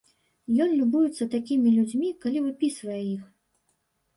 Ён любуецца такімі людзьмі, калі выпісвае іх.